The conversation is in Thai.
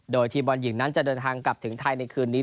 โดยทีมบอลหญิงนั้นจะเดินทางกลับถึงไทยในคืนนี้